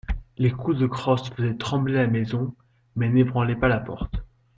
Les coups de crosse faisaient trembler la maison, mais n'ébranlaient pas la porte.